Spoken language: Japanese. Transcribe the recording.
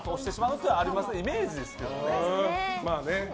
イメージですけどね。